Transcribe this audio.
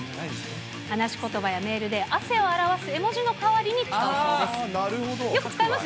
話し言葉やメールで汗を表す絵文字の代わりに使うそうです。